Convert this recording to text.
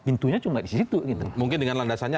pintunya cuma di situ gitu mungkin dengan landasannya